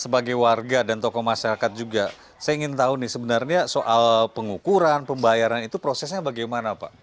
sebagai warga dan tokoh masyarakat juga saya ingin tahu nih sebenarnya soal pengukuran pembayaran itu prosesnya bagaimana pak